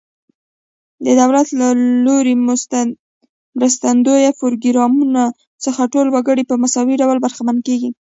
د دولت له لوري مرستندویه پروګرامونو څخه ټول وګړي په مساوي ډول برخمن کیږي.